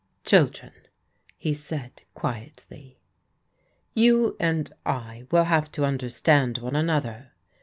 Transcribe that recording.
" Oiildren,*' he said quietly, " you and I will have to understand one another.